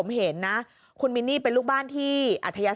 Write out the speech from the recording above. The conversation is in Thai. ใช่ค่ะเคยเกียร์กับคนน่ารัก